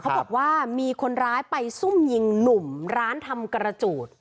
เขาบอกว่ามีคนร้ายไปซุ่มยิงหนุ่มร้านทำกระจูด